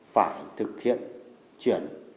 phải thực hiện chuyển